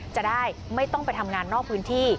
จะได้ไม่ต้องไปทำงานนอกพื้นที่